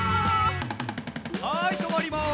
はいとまります。